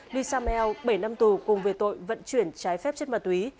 lee samuel bảy năm tù cùng về tội vận chuyển trái phép chất ma túy